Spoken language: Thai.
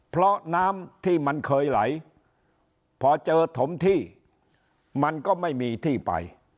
เพราะน้ำที่มันเคยไหลพอเจอถมที่มันก็ไม่มีที่ไป